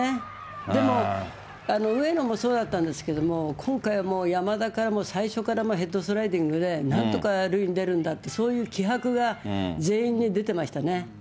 でも上野もそうだったんですけれども、今回はもう、山田から、最初からのヘッドスライディングで、なんとか塁に出るんだっていうそういう気迫が全員に出てましたね。